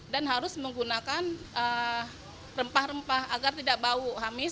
dan harus menggunakan rempah rempah agar tidak bau amis